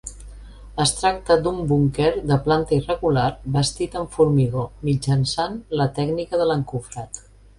Es tracta d'un búnquer de planta irregular bastit amb formigó, mitjançant la tècnica de l'encofrat.